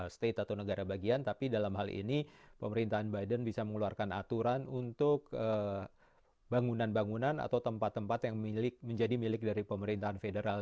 state atau negara bagian tapi dalam hal ini pemerintahan biden bisa mengeluarkan aturan untuk bangunan bangunan atau tempat tempat yang menjadi milik dari pemerintahan federal